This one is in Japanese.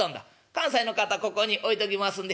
「関西の方ここに置いときますんで。